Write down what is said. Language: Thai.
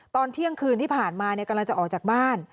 ตอนเที่ยงคืนที่ผ่านมากำลังจะออกจากบ้าน